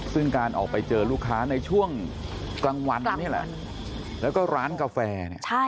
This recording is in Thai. ซึ่งการออกไปเจอลูกค้าในช่วงกลางวันแล้วก็ร้านกาแฟ